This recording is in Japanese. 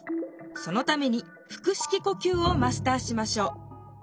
そのために腹式呼吸をマスターしましょう。